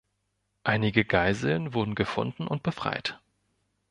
Einige Geiseln wurden gefunden und befreit.